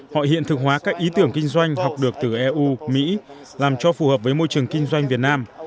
họ hiện thực hóa các ý tưởng kinh doanh học được từ eu mỹ làm cho phù hợp với môi trường kinh doanh việt nam